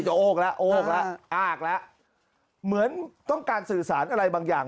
โอกแล้วโอกแล้วอ้ากแล้วเหมือนต้องการสื่อสารอะไรบางอย่าง